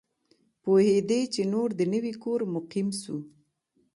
پوهېدی چي نور د نوي کور مقیم سو